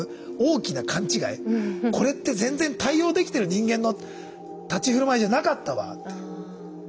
これって全然対応できてる人間の立ち居振る舞いじゃなかったわって。